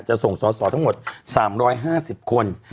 จะส่งสสทั้งหมด๓๕๐คน